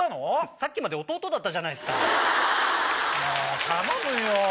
さっきまで弟だったじゃないっすか。頼むよ！